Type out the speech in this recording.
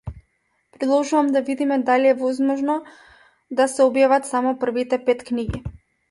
Предложувам да видиме дали е возможно да се објават само првите пет книги.